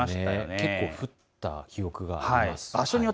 結構降った記憶があります。